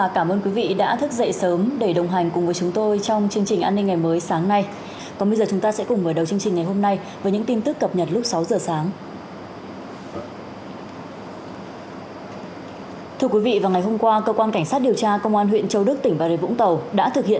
các bạn hãy đăng ký kênh để ủng hộ kênh của chúng mình nhé